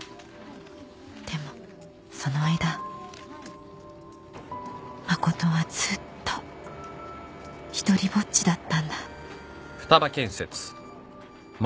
でもその間誠はずっと独りぼっちだったんだ